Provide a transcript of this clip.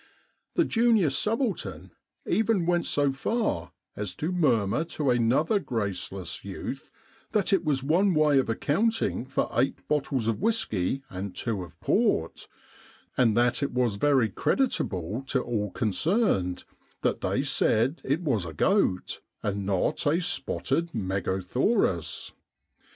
The junior subaltern even went so far as to murmur to another graceless youth that it was one way of accounting for eight bottles of whisky and two of port — and that it was very creditable to all con cerned that they said it was a goat, and not a spotted megothaurus.